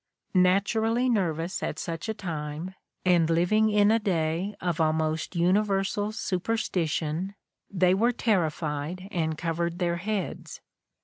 Naturally nervous at such a time, and living in a day of almost universal superstition, they were terri fied and covered their heads.